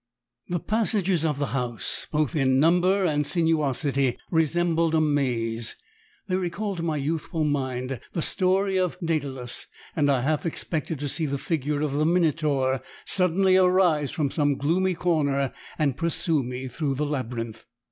The passages of the house, both in number and sinuosity, resembled a maze; they recalled to my youthful mind the story of Dædalus, and I half expected to see the figure of the Minotaur suddenly arise from some gloomy corner and pursue me through the labyrinth.